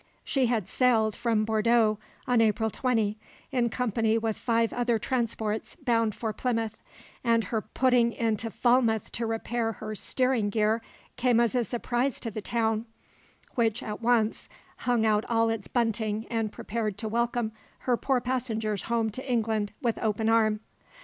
She had sailed from Bordeaux on April 20, in company with five other transports bound for Plymouth, and her putting into Falmouth to repair her steering gear came as a surprise to the town, which at once hung out all its bunting and prepared to welcome her poor passengers home to England with open arm.